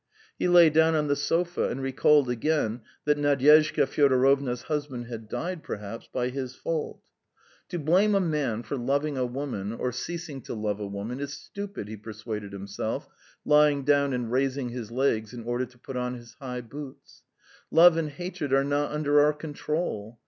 He lay down on the sofa and recalled again that Nadyezhda Fyodorovna's husband had died, perhaps, by his fault. "To blame a man for loving a woman, or ceasing to love a woman, is stupid," he persuaded himself, lying down and raising his legs in order to put on his high boots. "Love and hatred are not under our control.